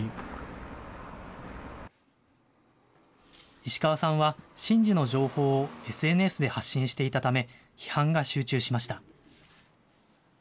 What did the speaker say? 石川さんは、神事の情報をＳＮＳで発信していたため、批判が集中しました。